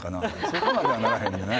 そこまではならへんよね。